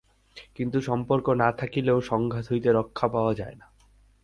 কিন্তু সম্পর্ক না থাকিলেও সংঘাত হইতে রক্ষা পাওয়া যায় না।